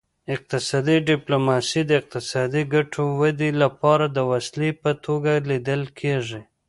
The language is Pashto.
اقتصادي ډیپلوماسي د اقتصادي ګټو ودې لپاره د وسیلې په توګه لیدل کیږي